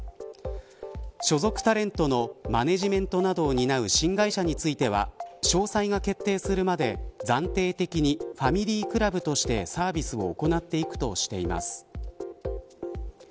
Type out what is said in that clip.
所属タレントのマネジメントなどを担う新会社については詳細が決定するまで、暫定的にファミリークラブとしてサービスを行っていくとしています。